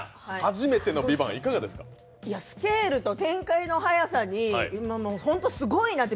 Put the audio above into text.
スケールと展開の早さに本当すごいなって。